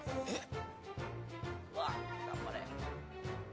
えっ？